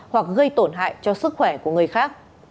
hoặc gây tổn hại cho sức khỏe của người khác